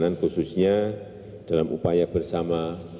dan khususnya dalam upaya bersama